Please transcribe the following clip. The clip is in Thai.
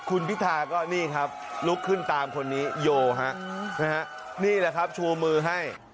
คุณพิธาก็นี่ครับลุกขึ้นตามคนนี้โยฮะนี่แหละครับชูมือให้